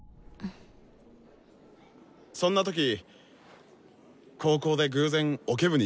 そんな時高校で偶然オケ部に出会ったんです。